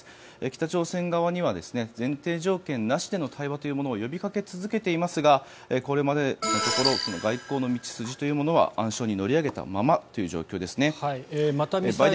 北朝鮮側には前提条件なしでの対話というものを呼びかけ続けていますがこれまでのところ外交の道筋というものは暗礁に乗り上げたままだという状況ですね。